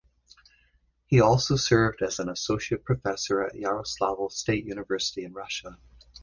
He also served as an associate professor at Yaroslavl State University in Russia.